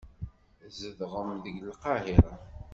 Tzedɣem deg Lqahira.